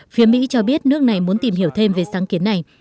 phía mỹ cho biết nước này muốn tìm hiểu thêm về sáng kiến này